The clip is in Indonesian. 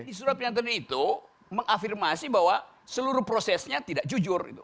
di surat pernyataan itu mengafirmasi bahwa seluruh prosesnya tidak jujur